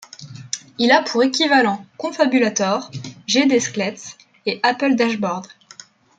Il a pour équivalent Konfabulator, gDesklets et Apple Dashboard.